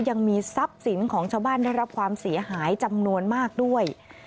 ยังมีทรัพย์สินของชาวบ้านได้รับความเสียหายจำนวนมากด้วย